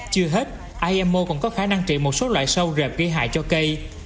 chưa hết imo còn có khả năng trị một số loại sâu rẹp gây hại cho cây